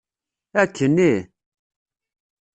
Akken ih!